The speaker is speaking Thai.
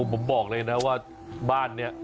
ผมบอกเลยนะว่าบ้านนี้